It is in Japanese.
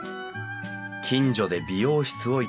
近所で美容室を営み